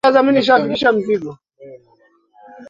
ushirikiano wa kirafiki kati ya Umoja wa Ulaya